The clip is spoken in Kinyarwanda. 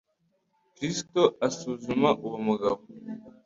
Kristo asuzuma uwo mugabo.